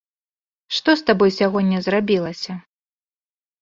Што з табой сягоння зрабілася?